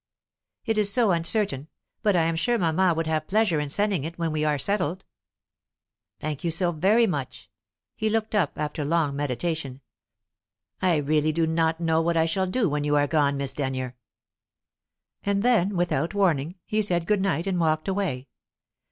"It is so uncertain. But I am sure mamma would have pleasure in sending it, when we arc settled." "Thank you so very much." He looked up after long meditation. "I really do not know what I shall do when you are gone, Miss Denyer." And then, without warning, he said good night and walked away.